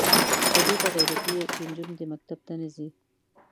خو دې ته غیرتي یې چې نجونې دې مکتب ته نه ځي.